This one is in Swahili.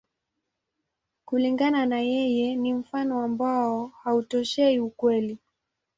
Kulingana na yeye, ni mfano ambao hautoshei ukweli.